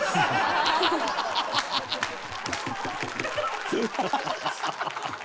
ハハハハ！